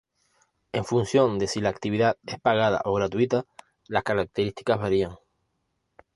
En función de si la actividad es pagada o gratuita las características varían.